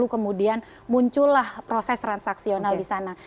kemudian muncullah proses transaksional disana